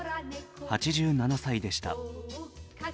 ８７歳でした。